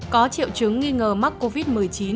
có triệu chứng nghi ngờ mắc covid một mươi chín